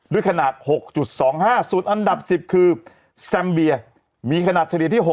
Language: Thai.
ขนาด๖๒๕สูตรอันดับ๑๐คือแซมเบียมีขนาดเฉลี่ยที่๖